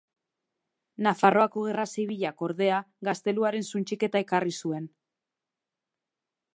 Nafarroako Gerra Zibilak ordea, gazteluaren suntsiketa ekarri zuen.